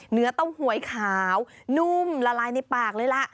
เนื้อเต้าหวยขาวนุ่มละลายในปากเลยล่ะ